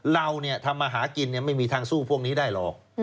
เราเนี่ยถ้ามาหากินเนี่ยไม่มีทางสู้พวกนี้ได้หรอก